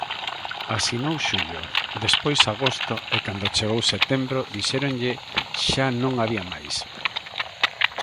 Asinou xullo, despois agosto e cando chegou setembro dixéronlle xa non había máis.